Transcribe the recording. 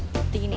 seperti ini ya